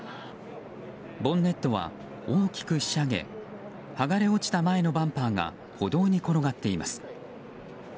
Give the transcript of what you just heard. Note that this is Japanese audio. ボンネットは大きくひしゃげ剥がれ落ちた前のバンパーが歩道に転がっています。